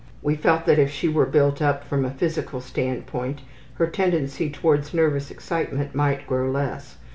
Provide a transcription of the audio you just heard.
We felt that if she were built up from a physical standpoint her tendency towards nervous excitement might grow less.